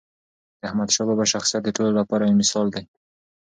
د احمدشاه بابا شخصیت د ټولو لپاره یو مثال دی.